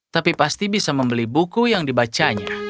tapi pasti bisa membeli buku yang dibacanya